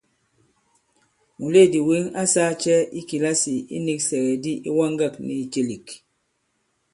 Mùleèdì wěŋ a sāā cɛ i kìlasì iniksɛ̀gɛ̀di ɓě iwaŋgâk nì ìcèlèk ?